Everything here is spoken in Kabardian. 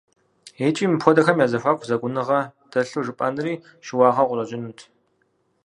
Икӏи мыпхуэдэхэм я зэхуаку зэкӏуныгъэ дэлъу жыпӏэнри щыуагъэу къыщӏэкӏынущ.